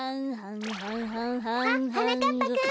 あっはなかっぱくん。